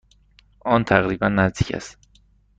آن تقریبا نزدیک است.